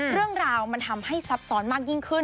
เรื่องราวมันทำให้ซับซ้อนมากยิ่งขึ้น